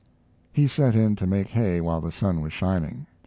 He set in to make hay while the sun was shining.